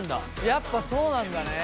やっぱそうなんだね。